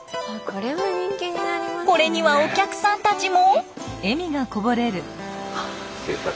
これにはお客さんたちも。